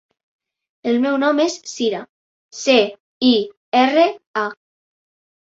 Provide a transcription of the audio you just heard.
El meu nom és Cira: ce, i, erra, a.